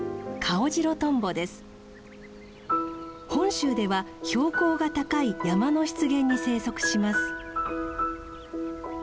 本州では標高が高い山の湿原に生息します。